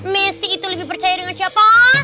messi itu lebih percaya dengan siapa